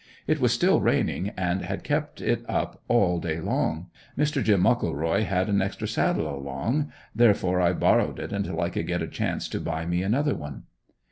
It was still raining and had kept it up all day long. Mr. "Jim" Muckleroy had an extra saddle along therefore I borrowed it until I could get a chance to buy me another one.